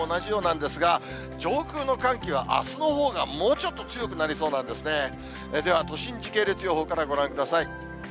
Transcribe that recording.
では、都心時系列予報からご覧ください。